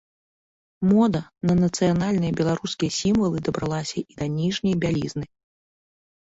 Мода на нацыянальныя беларускія сімвалы дабралася і да ніжняй бялізны.